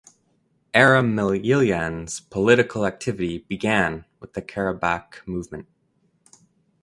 Aram Mayilyan’s political activity began with the Karabakh Movement.